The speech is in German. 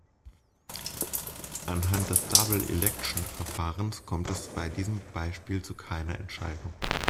Anhand des Double-Election-Verfahrens kommt es bei diesem Beispiel zu keiner Entscheidung.